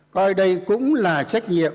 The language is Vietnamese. coi đây cũng là trách nhiệm